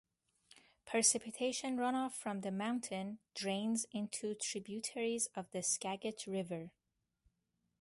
Precipitation runoff from the mountain drains into tributaries of the Skagit River.